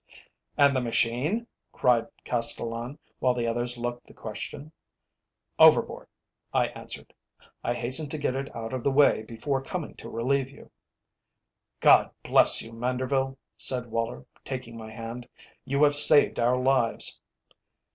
"And the machine?" cried Castellan, while the others looked the question. "Overboard," I answered. "I hastened to get it out of the way, before coming to relieve you." "God bless you, Manderville," said Woller, taking my hand. "You have saved our lives!"